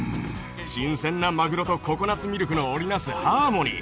新鮮なマグロとココナツミルクの織り成すハーモニー！